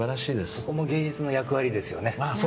ここも芸術の役割ですね。